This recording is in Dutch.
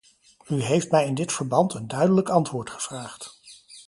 U heeft mij in dit verband een duidelijk antwoord gevraagd.